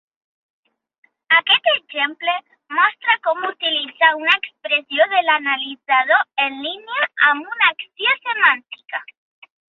Aquest exemple mostra com utilitzar una expressió de l'analitzador en línia amb una acció semàntica.